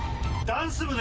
ダンス部？